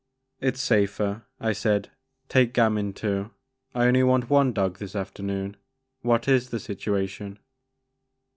" It 's safer," I said ;take Gamin too, I only want one dog this afternoon. What is the situa tion?"